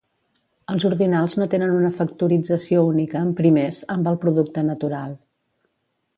Els ordinals no tenen una factorització única en primers amb el producte natural.